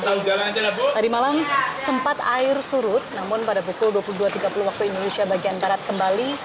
tadi malam sempat air surut namun pada pukul dua puluh dua tiga puluh waktu indonesia bagian barat kembali